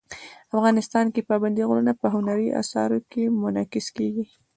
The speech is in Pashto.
افغانستان کې پابندي غرونه په هنري اثارو کې منعکس کېږي.